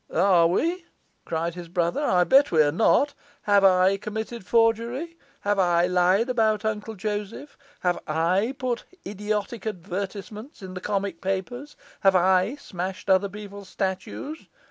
'Are we?' cried his brother. 'I bet we're not! Have I committed forgery? have I lied about Uncle Joseph? have I put idiotic advertisements in the comic papers? have I smashed other people's statues?